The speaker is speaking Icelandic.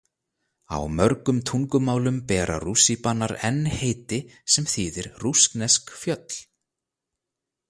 Á mörgum tungumálum bera rússíbanar enn heiti sem þýðir rússnesk fjöll.